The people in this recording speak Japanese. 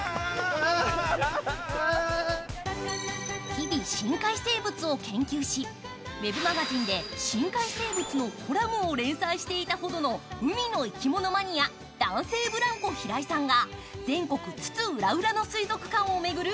日々深海生物を研究し、ウェブマガジンで深海生物のコラムを連載していたほどの海の生き物マニア男性ブランコ・平井さんが全国津々浦々の水族館を巡る